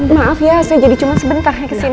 maaf ya saya jadi cuman sebentar ya kesini